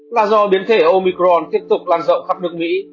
là do biến thể omicron tiếp tục lan rộng khắp nước mỹ